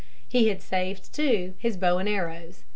He had saved, too, his bow and arrows.